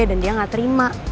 dan dia gak terima